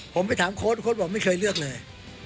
ผมไปถามโค้ดโค้ดบอกไม่เคยเลือกเลย